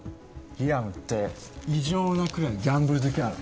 リアムって異常なくらいギャンブル好きなの。